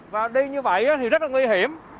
và đi như vậy thì rất là nguy hiểm